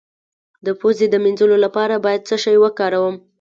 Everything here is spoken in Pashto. د پوزې د مینځلو لپاره باید څه شی وکاروم؟